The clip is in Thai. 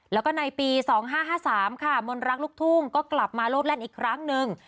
แล้วก็ในปี๒๕๕๓ค่ะมนรักลูกทุ่งก็กลับมาโลดแล่นอีกครั้งหนึ่ง